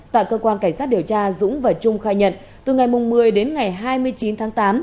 tại cơ quan cảnh sát điều tra dũng và trung khai nhận từ ngày một mươi đến ngày hai mươi chín tháng tám